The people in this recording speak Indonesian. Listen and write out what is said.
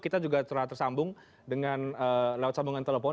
kita juga telah tersambung dengan lewat sambungan telepon